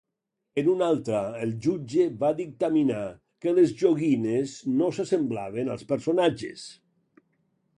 En una altra, el jutge va dictaminar que les joguines no s'assemblaven als personatges.